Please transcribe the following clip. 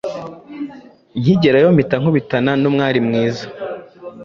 Nyigerayo mpita nkubitana nu mwari mwiza